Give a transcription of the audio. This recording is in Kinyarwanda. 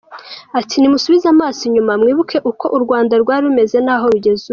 Ati” Nimusubize amaso inyuma mwibuke uko u Rwanda rwari rumeze naho rugeze ubu.